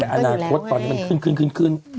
อาณาโคตรตอนนี้มันขึ้น